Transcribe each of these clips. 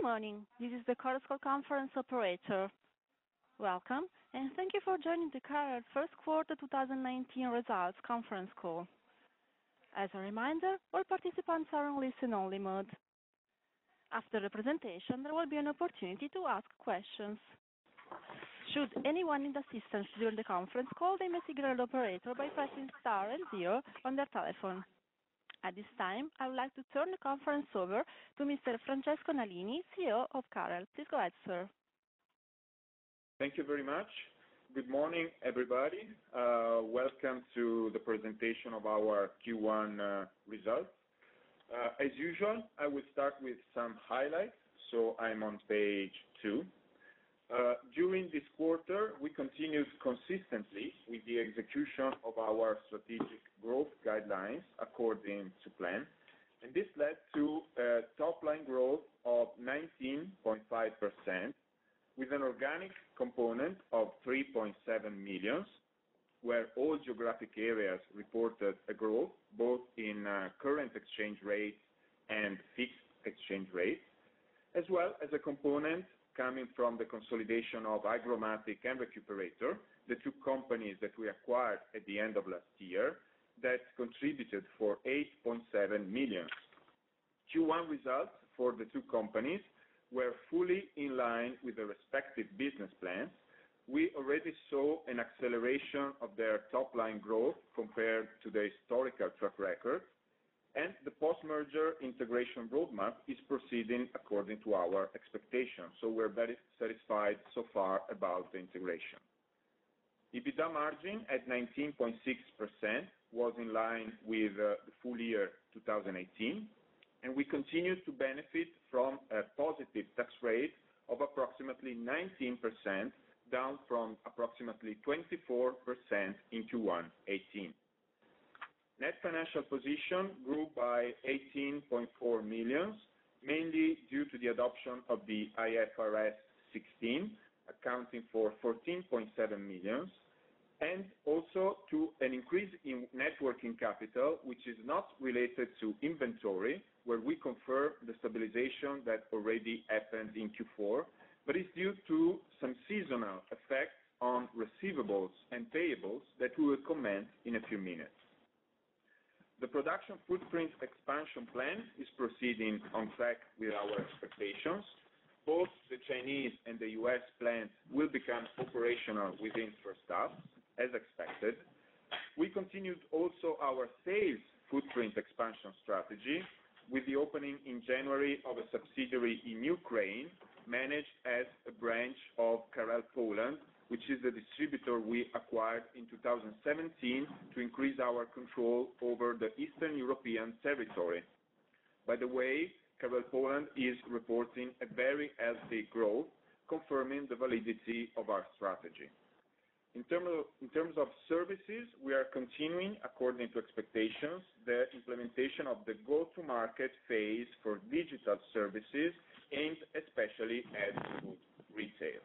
Good morning. This is the Carel conference operator. Welcome, thank you for joining the Carel First Quarter 2019 Results Conference Call. As a reminder, all participants are on listen only mode. After the presentation, there will be an opportunity to ask questions. Should anyone need assistance during the conference call, they may signal the operator by pressing Star and Zero on their telephone. At this time, I would like to turn the conference over to Mr. Francesco Nalini, CEO of Carel. Please go ahead, sir. Thank you very much. Good morning, everybody. Welcome to the presentation of our Q1 results. As usual, I will start with some highlights. I'm on page two. During this quarter, we continued consistently with the execution of our strategic growth guidelines according to plan, this led to a top-line growth of 19.5% with an organic component of 3.7 million, where all geographic areas reported a growth both in current exchange rates and fixed exchange rates, as well as a component coming from the consolidation of HygroMatik and Recuperator, the two companies that we acquired at the end of last year, that contributed for 8.7 million. Q1 results for the two companies were fully in line with the respective business plans. We already saw an acceleration of their top-line growth compared to their historical track record, the post-merger integration roadmap is proceeding according to our expectations. We're very satisfied so far about the integration. EBITDA margin at 19.6% was in line with the full year 2018, we continued to benefit from a positive tax rate of approximately 19%, down from approximately 24% in Q1 '18. Net financial position grew by 18.4 million, mainly due to the adoption of the IFRS 16, accounting for 14.7 million, also to an increase in networking capital, which is not related to inventory, where we confirm the stabilization that already happened in Q4, but is due to some seasonal effects on receivables and payables that we will comment in a few minutes. The production footprint expansion plan is proceeding on track with our expectations. Both the Chinese and the U.S. plants will become operational within first half, as expected. We continued also our sales footprint expansion strategy with the opening in January of a subsidiary in Ukraine, managed as a branch of Carel Polska, which is the distributor we acquired in 2017 to increase our control over the Eastern European territory. By the way, Carel Polska is reporting a very healthy growth, confirming the validity of our strategy. In terms of services, we are continuing according to expectations, the implementation of the go-to-market phase for digital services, aimed especially at food retail.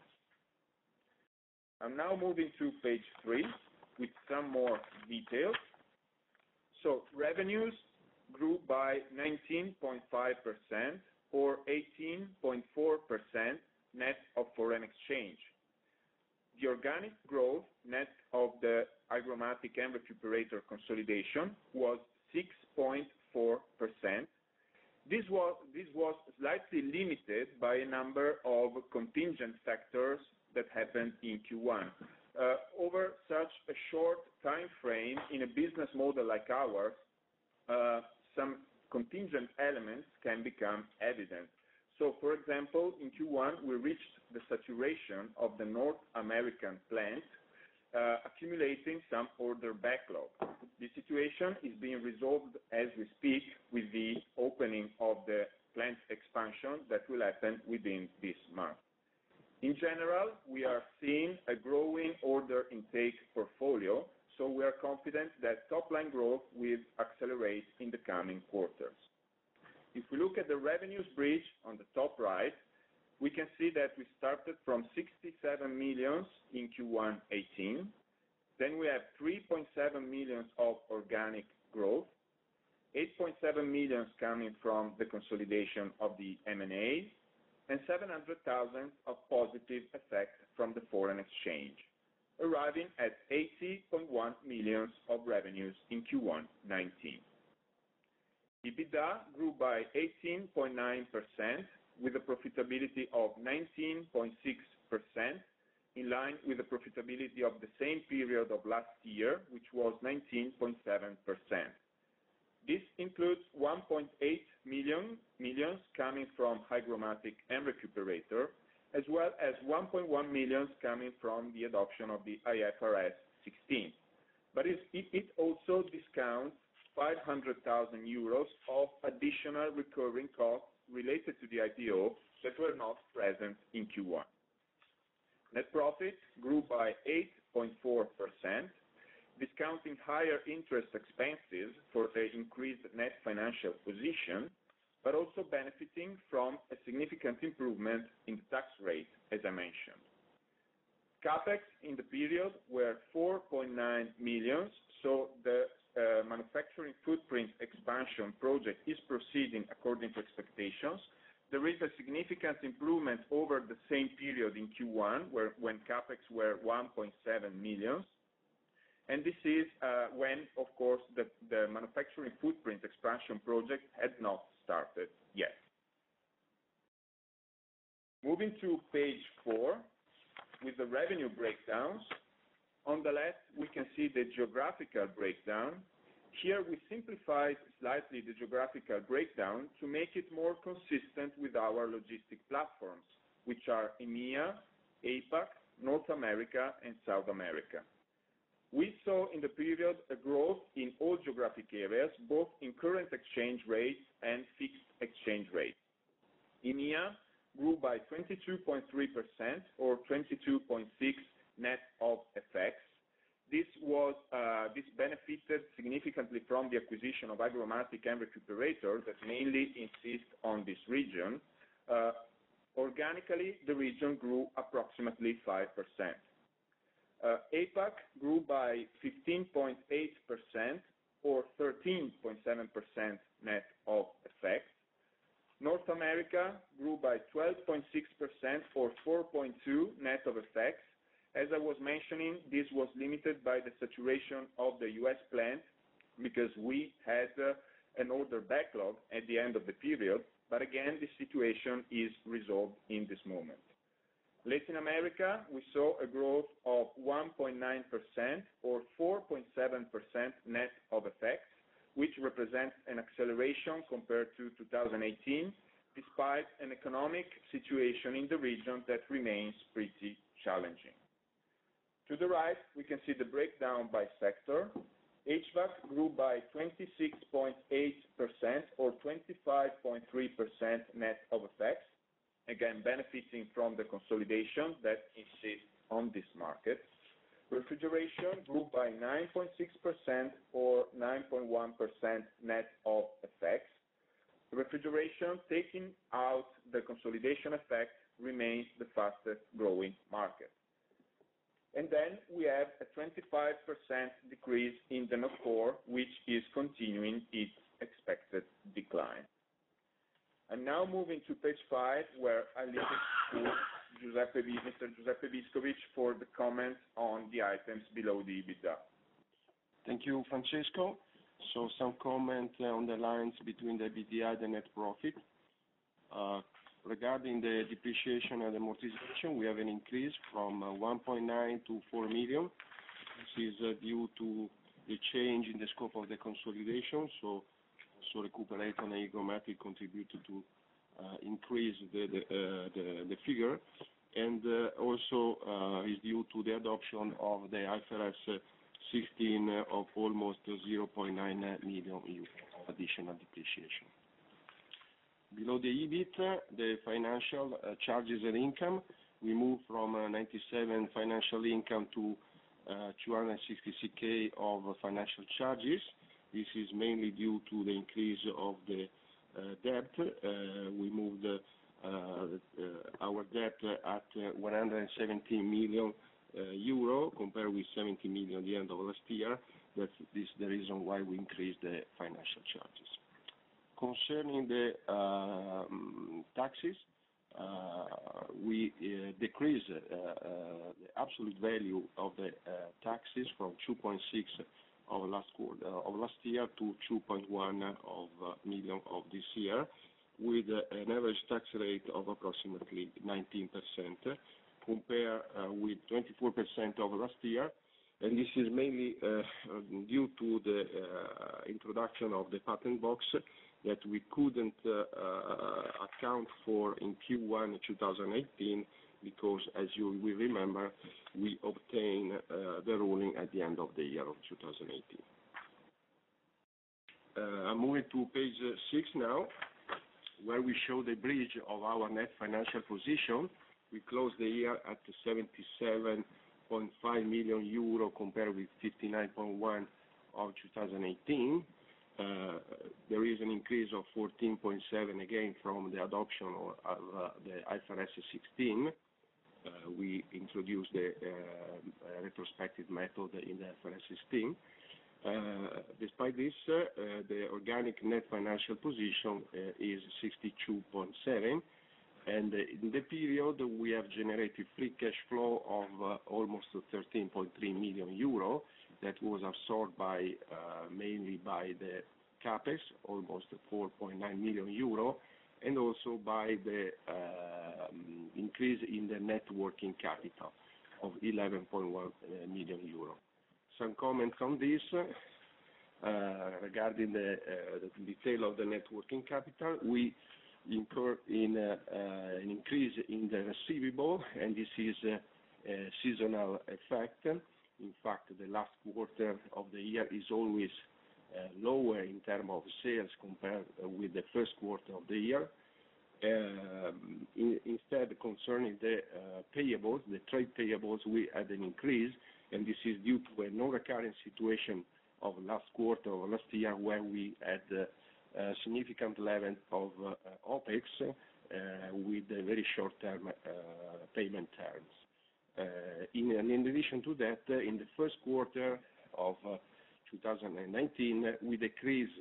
I'm now moving to page three with some more details. Revenues grew by 19.5% or 18.4% net of foreign exchange. The organic growth net of the HygroMatik and Recuperator consolidation was 6.4%. This was slightly limited by a number of contingent factors that happened in Q1. Over such a short time frame in a business model like ours, some contingent elements can become evident. For example, in Q1, we reached the saturation of the North American plant, accumulating some order backlog. The situation is being resolved as we speak with the opening of the plant expansion that will happen within this month. In general, we are seeing a growing order intake portfolio, so we are confident that top-line growth will accelerate in the coming quarters. If we look at the revenues bridge on the top right, we can see that we started from 67 million in Q1 2018. Then we have 3.7 million of organic growth, 8.7 million coming from the consolidation of the M&As, and 700,000 of positive effect from the foreign exchange, arriving at 80.1 million of revenues in Q1 2019. EBITDA grew by 18.9% with a profitability of 19.6%, in line with the profitability of the same period of last year, which was 19.7%. This includes 1.8 million coming from HygroMatik and Recuperator, as well as 1.1 million coming from the adoption of the IFRS 16. It also discounts 500,000 euros of additional recurring costs related to the IPO that were not present in Q1. Net profits grew by 8.4%, discounting higher interest expenses for the increased net financial position, but also benefiting from a significant improvement in the tax rate, as I mentioned. CapEx in the period were 4.9 million, so the manufacturing footprint expansion project is proceeding according to expectations. There is a significant improvement over the same period in Q1, when CapEx were 1.7 million. This is when, of course, the manufacturing footprint expansion project had not started yet. Moving to page four, with the revenue breakdowns. On the left, we can see the geographical breakdown. Here, we simplified, slightly, the geographical breakdown to make it more consistent with our logistic platforms, which are EMEA, APAC, North America, and South America. We saw, in the period, a growth in all geographic areas, both in current exchange rates and fixed exchange rates. EMEA grew by 22.3%, or 22.6% net of FX. This benefited significantly from the acquisition of HygroMatik and Recuperator, that mainly insist on this region. Organically, the region grew approximately 5%. APAC grew by 15.8%, or 13.7% net of FX. North America grew by 12.6%, or 4.2% net of FX. As I was mentioning, this was limited by the saturation of the U.S. plant, because we had an order backlog at the end of the period. But again, the situation is resolved in this moment. Latin America, we saw a growth of 1.9%, or 4.7% net of FX, which represents an acceleration compared to 2018, despite an economic situation in the region that remains pretty challenging. To the right, we can see the breakdown by sector. HVAC grew by 26.8%, or 25.3% net of FX, again, benefiting from the consolidation that insist on this market. Refrigeration grew by 9.6%, or 9.1% net of FX. Refrigeration, taking out the consolidation effect, remains the fastest growing market. Then we have a 25% decrease in the [Note 4], which is continuing its expected decline. Now moving to page five, where I leave it to Mr. Giuseppe Biscovich for the comments on the items below the EBITDA. Thank you, Francesco. Some comment on the lines between the EBITDA and the net profit. Regarding the depreciation and amortization, we have an increase from 1.9 million to 4 million. This is due to the change in the scope of the consolidation. Recuperator and HygroMatik contributed to increase the figure, and also, is due to the adoption of the IFRS 16 of almost 0.9 million euros in additional depreciation. Below the EBIT, the financial charges and income, we move from a 97,000 financial income to 266,000 of financial charges. This is mainly due to the increase of the debt. We moved our debt at 117 million euro, compared with 70 million at the end of last year. That is the reason why we increased the financial charges. Concerning the taxes, we decreased the absolute value of the taxes from 2.6 million of last year to 2.1 million of this year, with an average tax rate of approximately 19%, compared with 24% of last year. This is mainly due to the introduction of the patent box that we couldn't account for in Q1 2018, because as you will remember, we obtained the ruling at the end of the year of 2018. I'm moving to page six now, where we show the bridge of our net financial position. We closed the year at 77.5 million euro, compared with 59.1 million of 2018. There is an increase of 14.7 million, again, from the adoption of the IFRS 16. We introduced the retrospective method in the IFRS 16. Despite this, the organic net financial position is 62.7 million, and in the period, we have generated free cash flow of almost 13.3 million euro, that was absorbed mainly by the CapEx, almost 4.9 million euro, and also by the increase in the net working capital of 11.1 million euro. Some comments on this. Regarding the detail of the net working capital, we incur an increase in the receivable. This is a seasonal effect. In fact, the last quarter of the year is always lower in terms of sales compared with the first quarter of the year. Concerning the payables, the trade payables, we had an increase. This is due to a non-reoccurring situation of last quarter or last year, where we had a significant level of OpEx, with very short-term payment terms. In addition to that, in the first quarter of 2019, we decreased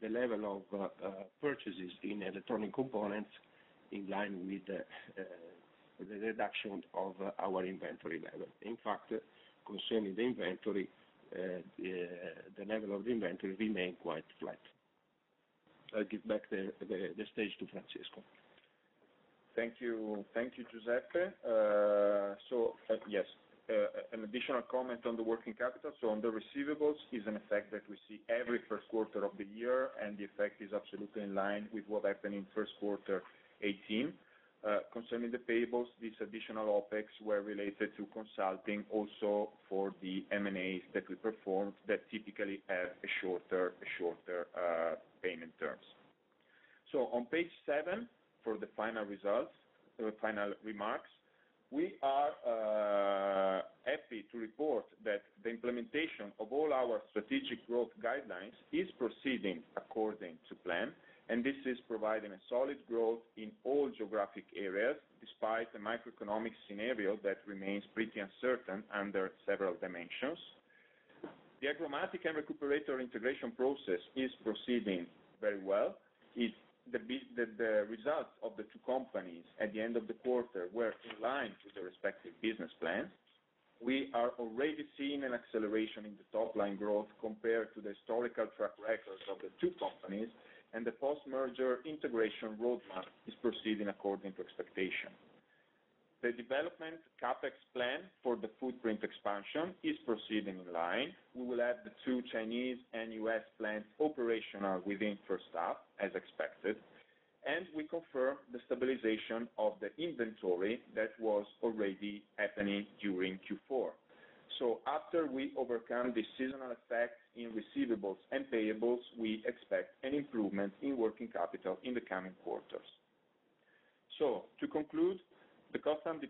the level of purchases in electronic components in line with the reduction of our inventory level. In fact, concerning the inventory, the level of inventory remained quite flat. I give back the stage to Francesco. Thank you, Giuseppe. Yes, an additional comment on the working capital. On the receivables is an effect that we see every first quarter of the year, and the effect is absolutely in line with what happened in first quarter 2018. Concerning the payables, these additional OpEx were related to consulting also for the M&As that we performed that typically have shorter payment terms. On page seven, for the final remarks, we are happy to report that the implementation of all our strategic growth guidelines is proceeding according to plan, and this is providing a solid growth in all geographic areas, despite the microeconomic scenario that remains pretty uncertain under several dimensions. The HygroMatik and Recuperator integration process is proceeding very well. The results of the two companies at the end of the quarter were in line with the respective business plans. We are already seeing an acceleration in the top-line growth compared to the historical track records of the two companies, and the post-merger integration roadmap is proceeding according to expectation. The development CapEx plan for the footprint expansion is proceeding in line. We will have the two Chinese and U.S. plants operational within first half, as expected, and we confirm the stabilization of the inventory that was already happening during Q4. After we overcome the seasonal effect in receivables and payables, we expect an improvement in working capital in the coming quarters. To conclude, the cost and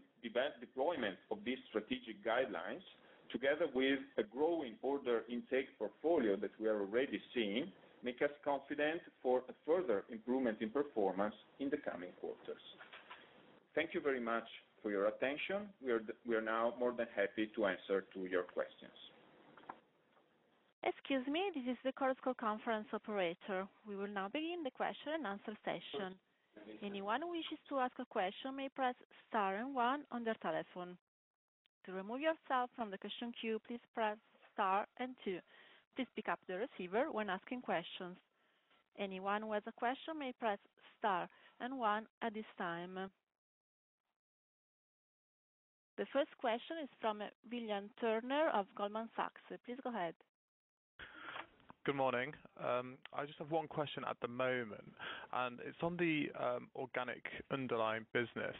deployment of these strategic guidelines, together with a growing order intake portfolio that we are already seeing, make us confident for a further improvement in performance in the coming quarters. Thank you very much for your attention. We are now more than happy to answer to your questions. Excuse me. This is the Chorus Call conference operator. We will now begin the question and answer session. Anyone who wishes to ask a question may press star and one on their telephone. To remove yourself from the question queue, please press star and two. Please pick up the receiver when asking questions. Anyone who has a question may press star and one at this time. The first question is from William Turner of Goldman Sachs. Please go ahead. Good morning. I just have one question at the moment, and it's on the organic underlying business.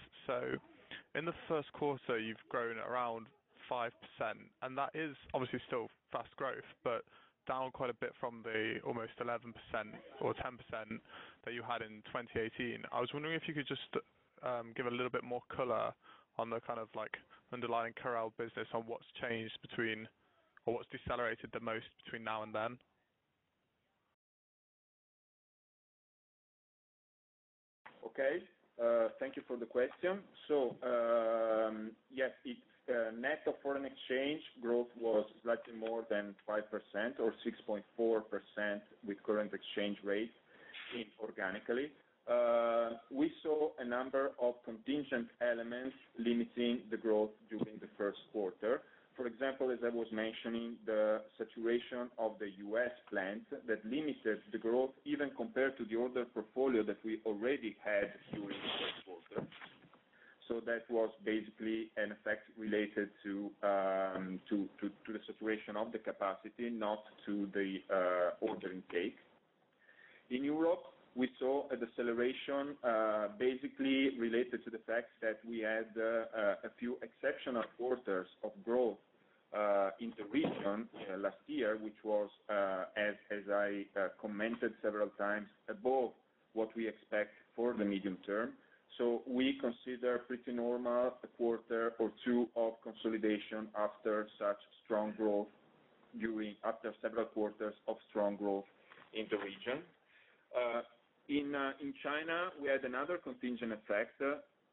In the first quarter, you've grown around 5%, and that is obviously still fast growth, but down quite a bit from the almost 11% or 10% that you had in 2018. I was wondering if you could just give a little bit more color on the kind of underlying Carel business on what's changed between, or what's decelerated the most between now and then. Okay. Thank you for the question. Yes, net of foreign exchange, growth was slightly more than 5%, or 6.4% with current exchange rates, organically. We saw a number of contingent elements limiting the growth during the first quarter. For example, as I was mentioning, the saturation of the U.S. plant that limited the growth, even compared to the order portfolio that we already had during the first quarter. That was basically an effect related to the situation of the capacity, not to the order intake. In Europe, we saw a deceleration, basically related to the fact that we had a few exceptional quarters of growth, in the region last year, which was, as I commented several times, above what we expect for the medium term. We consider pretty normal a quarter or two of consolidation after several quarters of strong growth in the region. In China, we had another contingent effect.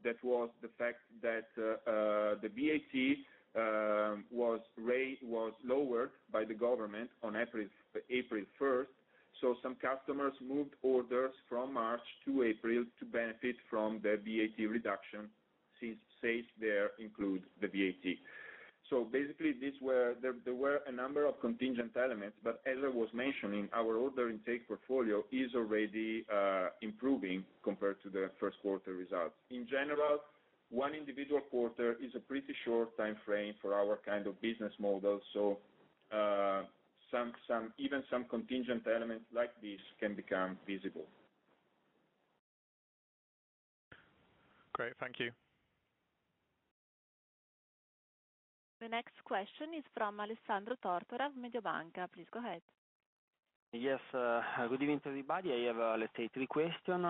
That was the fact that the VAT was lowered by the government on April 1st. Some customers moved orders from March to April to benefit from the VAT reduction, since sales there include the VAT. Basically, there were a number of contingent elements, but as I was mentioning, our order intake portfolio is already improving compared to the first quarter results. In general, one individual quarter is a pretty short timeframe for our kind of business model. Even some contingent elements like this can become visible. Great. Thank you. The next question is from Alessandro Tortora, Mediobanca. Please go ahead. Yes. Good evening, everybody. I have, let's say, three questions,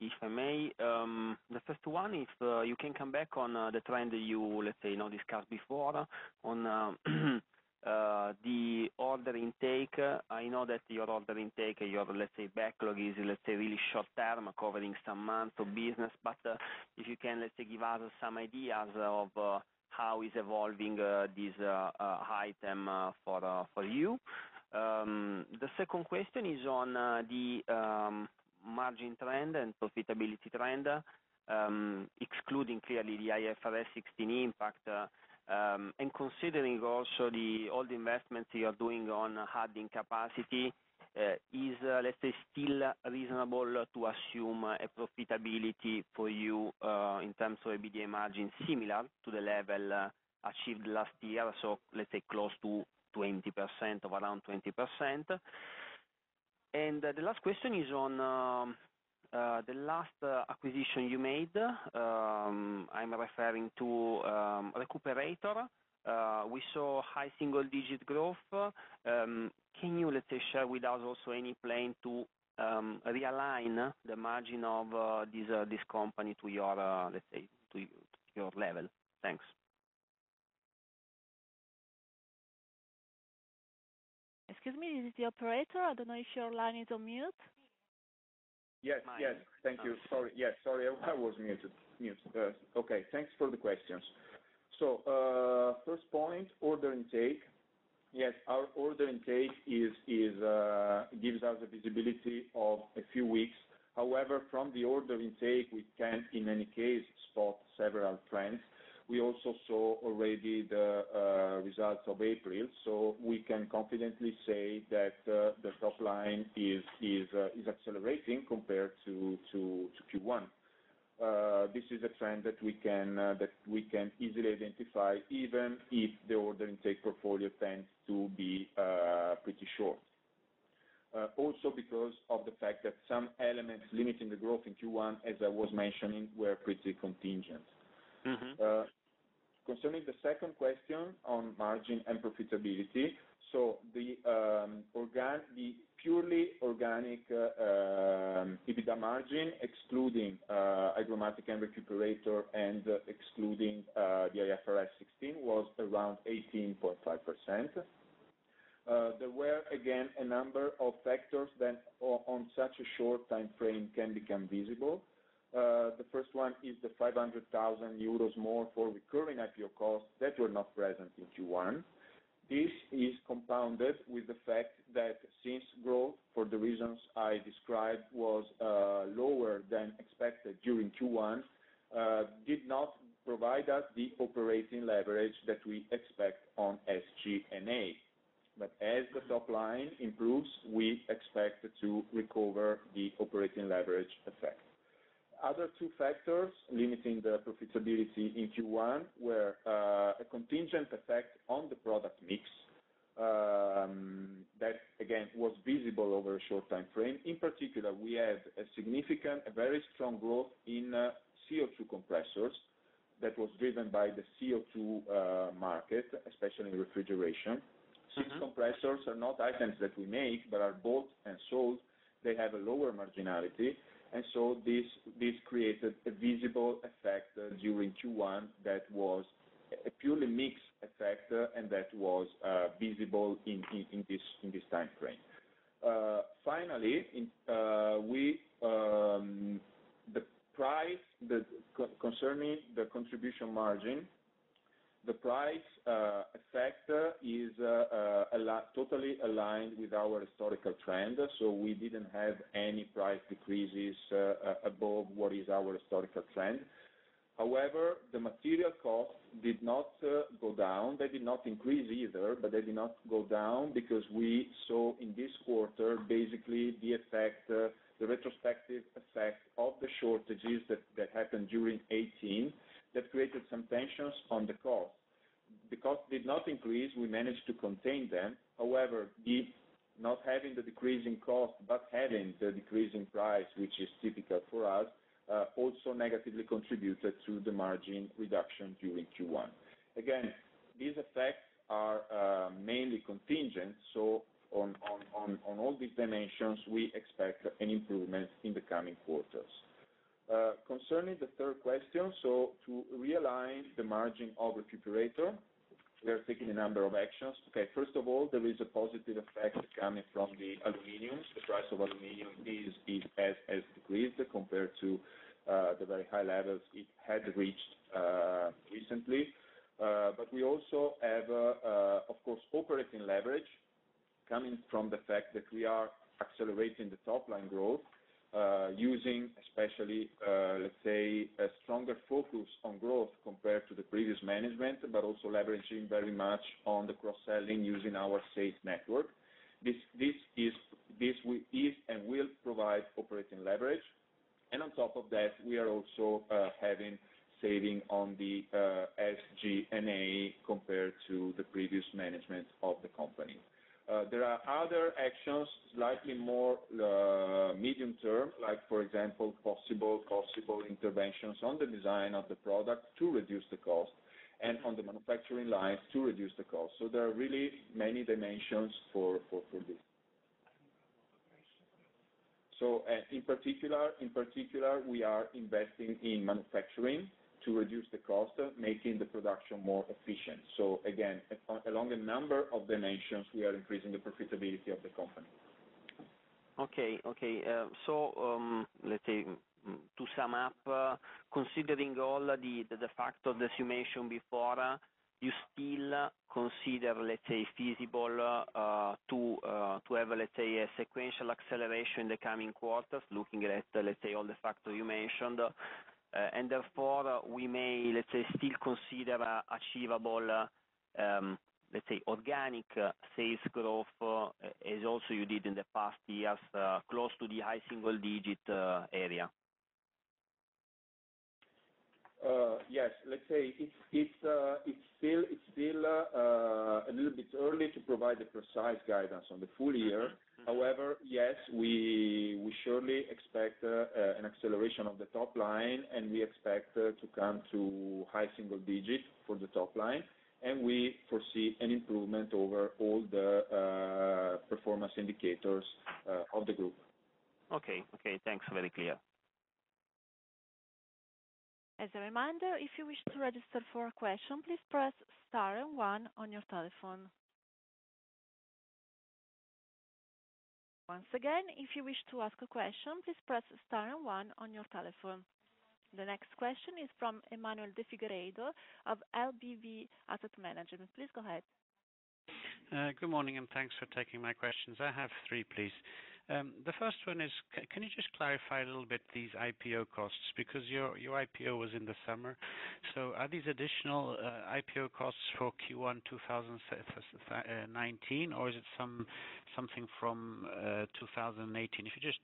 if I may. The first one, if you can come back on the trend you, let's say, discussed before on the order intake. I know that your order intake, your, let's say, backlog is, let's say, really short term, covering some months of business. If you can, let's say, give us some ideas of how is evolving this item for you. The second question is on the margin trend and profitability trend, excluding clearly the IFRS 16 impact, and considering also all the investments you are doing on adding capacity. Is, let's say, still reasonable to assume a profitability for you, in terms of EBITDA margin, similar to the level achieved last year? Let's say close to 20%, of around 20%. The last question is on the last acquisition you made. I'm referring to Recuperator. We saw high single-digit growth. Can you, let's say, share with us also any plan to realign the margin of this company to your level? Thanks. Excuse me, this is the operator. I don't know if your line is on mute. Yes. Thank you. Sorry. Yes. Sorry, I was muted. Thanks for the questions. First point, order intake. Yes, our order intake gives us a visibility of a few weeks. However, from the order intake, we can, in any case, spot several trends. We also saw already the results of April, we can confidently say that the top line is accelerating compared to Q1. This is a trend that we can easily identify, even if the order intake portfolio tends to be pretty short. Because of the fact that some elements limiting the growth in Q1, as I was mentioning, were pretty contingent. Concerning the second question on margin and profitability, the purely organic EBITDA margin, excluding HygroMatik and Recuperator and excluding the IFRS 16, was around 18.5%. There were, again, a number of factors that on such a short time frame can become visible. The first one is the 500,000 euros more for recurring IPO costs that were not present in Q1. This is compounded with the fact that since growth, for the reasons I described, was lower than expected during Q1, did not provide us the operating leverage that we expect on SG&A. As the top line improves, we expect to recover the operating leverage effect. Other two factors limiting the profitability in Q1 were a contingent effect on the product mix. That again, was visible over a short time frame. In particular, we had a significant, a very strong growth in CO2 compressors that was driven by the CO2 market, especially refrigeration. Since compressors are not items that we make, but are bought and sold, they have a lower marginality. This created a visible effect during Q1 that was a purely mix effect and that was visible in this time frame. Finally, concerning the contribution margin, the price effect is totally aligned with our historical trend, we didn't have any price decreases above what is our historical trend. However, the material cost did not go down. They did not increase either, but they did not go down because we saw in this quarter, basically the retrospective effect of the shortages that happened during 2018, that created some tensions on the cost. The cost did not increase. We managed to contain them. However, not having the decrease in cost, but having the decrease in price, which is typical for us, also negatively contributed to the margin reduction during Q1. Again, these effects are mainly contingent, on all these dimensions, we expect an improvement in the coming quarters. Concerning the third question, to realign the margin of Recuperator, we are taking a number of actions. Okay. First of all, there is a positive effect coming from the aluminum. The price of aluminum has decreased compared to the very high levels it had reached recently. We also have, of course, operating leverage coming from the fact that we are accelerating the top-line growth, using especially, let's say, a stronger focus on growth compared to the previous management, but also leveraging very much on the cross-selling using our sales network. This is and will provide operating leverage. On top of that, we are also having saving on the SG&A compared to the previous management of the company. There are other actions, slightly more medium term, like for example, possible interventions on the design of the product to reduce the cost and on the manufacturing lines to reduce the cost. There are really many dimensions for this. In particular, we are investing in manufacturing to reduce the cost, making the production more efficient. Again, along a number of dimensions, we are increasing the profitability of the company. Okay. let's say, to sum up, considering all the facts that you mentioned before, you still consider, let's say, feasible to have, let's say, a sequential acceleration in the coming quarters looking at, let's say, all the factors you mentioned. Therefore, we may, let's say, still consider achievable, let's say, organic sales growth, as also you did in the past years, close to the high single-digit area. Yes. Let's say, it's still a little bit early to provide the precise guidance on the full year. However, yes, we surely expect an acceleration of the top line, we expect to come to high single-digit for the top line, we foresee an improvement over all the performance indicators of the group. Okay. Thanks. Very clear. As a reminder, if you wish to register for a question, please press star and one on your telephone. Once again, if you wish to ask a question, please press star and one on your telephone. The next question is from Emmanuel de Figueiredo of LBV Asset Management. Please go ahead. Good morning. Thanks for taking my questions. I have three, please. The first one is, can you just clarify a little bit these IPO costs? Your IPO was in the summer. Are these additional IPO costs for Q1 2019, or is it something from 2018? If you just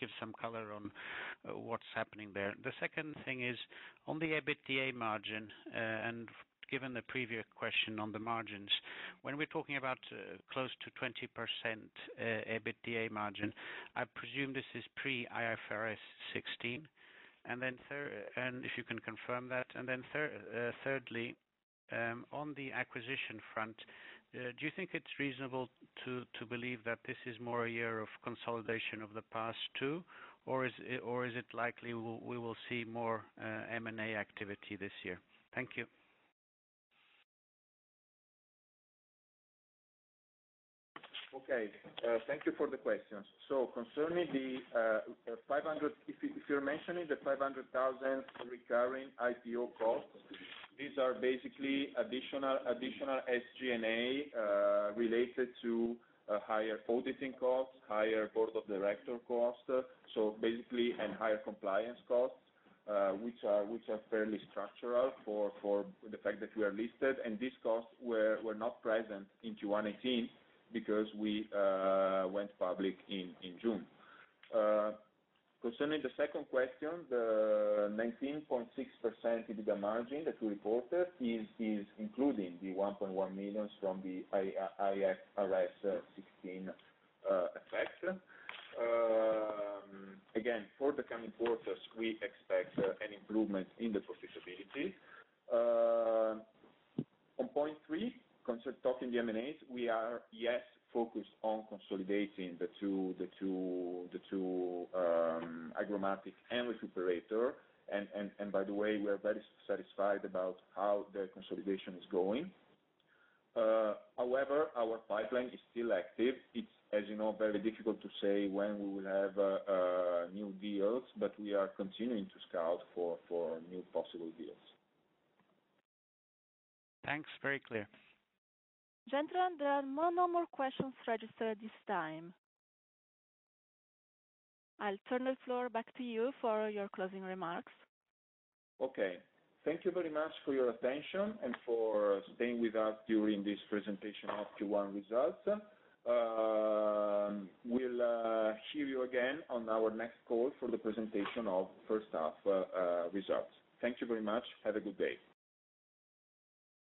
give some color on what's happening there. The second thing is, on the EBITDA margin. Given the previous question on the margins, when we're talking about close to 20% EBITDA margin, I presume this is pre IFRS 16, and if you can confirm that. Thirdly, on the acquisition front, do you think it's reasonable to believe that this is more a year of consolidation of the past two, or is it likely we will see more M&A activity this year? Thank you. Okay. Thank you for the questions. Concerning the 500, if you're mentioning the 500,000 recurring IPO costs, these are basically additional SG&A related to higher auditing costs, higher board of director costs, and higher compliance costs, which are fairly structural for the fact that we are listed. These costs were not present in Q1 2018 because we went public in June. Concerning the second question, the 19.6% EBITDA margin that we reported is including the 1.1 million from the IFRS 16 effect. Again, for the coming quarters, we expect an improvement in the profitability. On point three, talking the M&As, we are, yes, focused on consolidating the two, HygroMatik and Recuperator. By the way, we are very satisfied about how the consolidation is going. However, our pipeline is still active. It's, as you know, very difficult to say when we will have new deals. We are continuing to scout for new possible deals. Thanks. Very clear. Gentlemen, there are no more questions registered at this time. I'll turn the floor back to you for your closing remarks. Okay. Thank you very much for your attention and for staying with us during this presentation of Q1 results. We'll hear you again on our next call for the presentation of first half results. Thank you very much. Have a good day.